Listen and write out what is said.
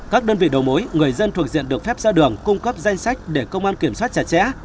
các đơn vị đầu mối người dân thuộc diện được phép ra đường cung cấp danh sách để công an kiểm soát chặt chẽ